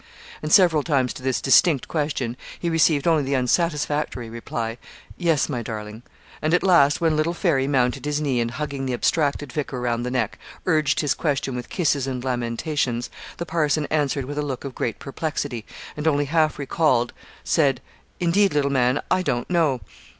and several times to this distinct question he received only the unsatisfactory reply, 'Yes, my darling;' and at last, when little Fairy mounted his knee, and hugging the abstracted vicar round the neck, urged his question with kisses and lamentations, the parson answered with a look of great perplexity, and only half recalled, said, 'Indeed, little man, I don't know.